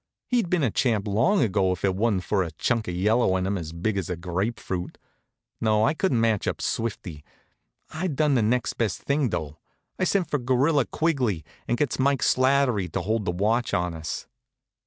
He'd been a champ long ago, if it wa'n't for a chunk of yellow in him as big as a grape fruit. No, I couldn't match up Swifty. I done the next best thing, though; I sent for Gorilla Quigley, and gets Mike Slattery to hold the watch on us.